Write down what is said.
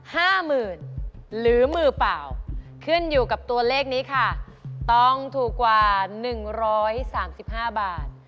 ห้าหมื่นหรือมือเปล่าขึ้นอยู่กับตัวเลขนี้ค่ะต้องถูกกว่าหนึ่งร้อยสามสิบห้าบาท